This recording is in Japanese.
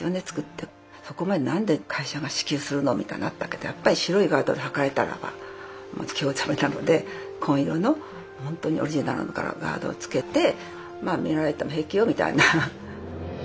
そこまでなんで会社が支給するの？みたいのあったけどやっぱり白いガードルはかれたらば興ざめなので紺色のガードル着けてまあ見られても平気よみたいな。